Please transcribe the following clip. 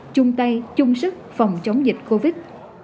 trung tay chung sức phòng chống dịch covid